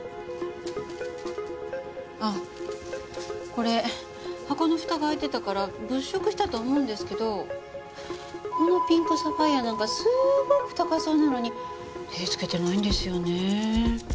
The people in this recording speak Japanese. これ箱の蓋が開いてたから物色したと思うんですけどこのピンクサファイアなんかすごく高そうなのに手つけてないんですよね。